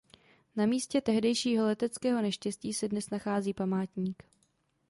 Na místě tehdejšího leteckého neštěstí se dnes nachází památník.